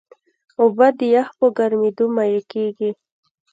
اوبه د یخ په ګرمیېدو مایع کېږي.